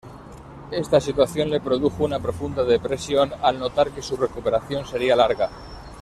Esta situación le produjo una profunda depresión, al notar que su recuperación sería larga.